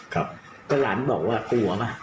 ก็หลานบอกว่ากลัวป่ะ